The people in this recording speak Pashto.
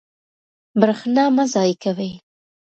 برښنا مه ضایع کوئ.